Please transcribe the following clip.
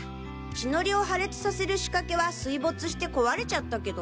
血ノリを破裂させる仕掛けは水没して壊れちゃったけど。